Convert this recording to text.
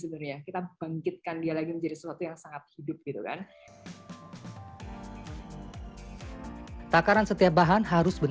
usai diletakkan di baneton